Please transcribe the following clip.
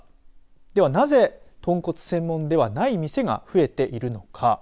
ではなぜ豚骨専門ではない店が増えているのか。